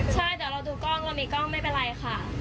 ใช่เดี๋ยวเราดูกล้องเรามีกล้องไม่เป็นไรค่ะ